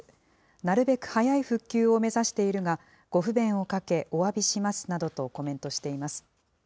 なるべく早い復旧を目指しているが、ご不便をかけおわびしますなどとコメントしています。